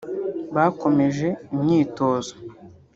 bakomeje imyitozo